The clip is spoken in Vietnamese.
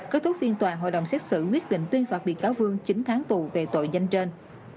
kết thúc phiên tòa hội đồng xét xử quyết định tuyên phạt bị cáo vương chín tháng tù về tội danh trên